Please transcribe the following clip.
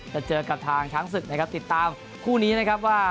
จะเจอกับทางช้างศึกนะครับติดตามคู่นี้นะครับว่า